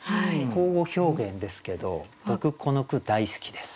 口語表現ですけど僕この句大好きです。